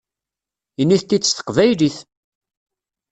Init-t-id s teqbaylit!